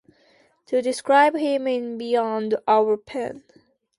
To describe him is beyond our pen.